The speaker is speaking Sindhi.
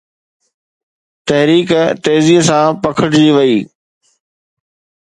تحريڪ تيزيءَ سان پکڙجي وئي